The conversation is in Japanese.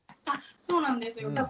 あそうなんですよ。